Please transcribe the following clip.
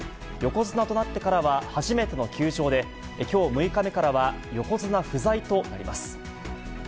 横綱となってからは初めての休場で、きょう６日目からは、横綱不在となります。